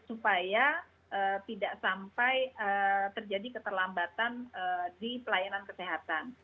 supaya tidak sampai terjadi keterlambatan di pelayanan kesehatan